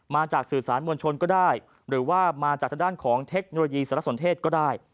มาจากสื่อสารมวลชนก็ได้หรือว่ามาจากทางด้านของเทคโนโลยีสารสนเทศก็ได้